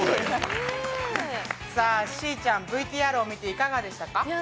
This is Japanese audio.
しーちゃん、ＶＴＲを見ていかがでしたか？